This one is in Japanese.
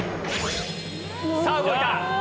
さぁ動いた。